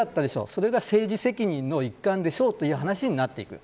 それが政治責任の一環でしょうという話になっていく。